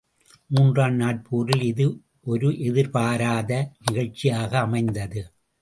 மூன்றாம் நாட்போரில் இது ஒரு எதிர் பாராத நிகழ்ச்சியாக அமைந்தது.